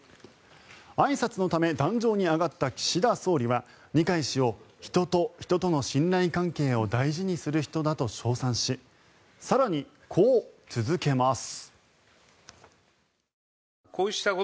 あいさつのため壇上に上がった岸田総理は二階氏を人と人との信頼関係を大事にする人だと称賛し更に、こう続けます。